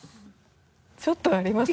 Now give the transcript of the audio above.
ちょっとあります